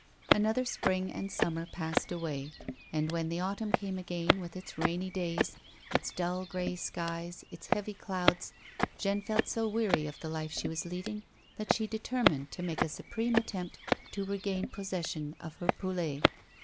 Another spring and summer passed away, and when the autumn came again with its rainy days, its dull, grey skies, its heavy clouds, Jeanne felt so weary of the life she was 230 A WOMAN'S LIFE. leading that she determined to make a supreme attempt to regain possession of her Poulet.